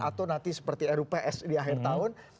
atau nanti seperti rups di akhir tahun